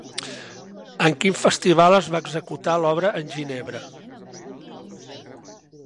En quin festival es va executar l'obra en Ginebra?